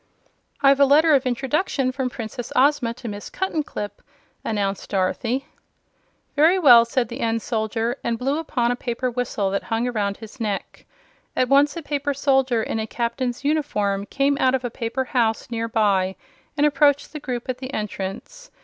"I've a letter of introduction from Princess Ozma to Miss Cuttenclip," announced Dorothy. "Very well," said the end soldier, and blew upon a paper whistle that hung around his neck. At once a paper soldier in a Captain's uniform came out of a paper house near by and approached the group at the entrance.